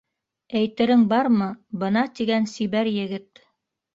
— Әйтерең бармы, бына тигән сибәр егет!